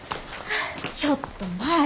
ちょっと舞。